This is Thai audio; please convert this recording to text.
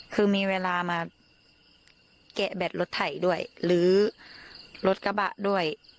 คือมีเวลามาแกะแบตรถไถด้วยหรือรถกระบะด้วย